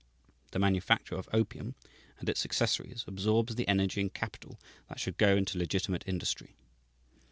The manufacture of opium and its accessories absorbs the energy and capital that should go into legitimate industry.